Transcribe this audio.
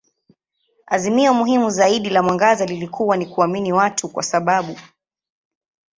Azimio muhimu zaidi la mwangaza lilikuwa ni kuamini watu kwa sababu.